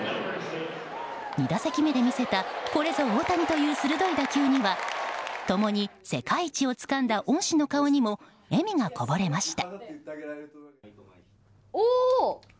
２打席目で見せたこれぞ大谷という鋭い打球には共に世界一をつかんだ恩師の顔にも笑みがこぼれました。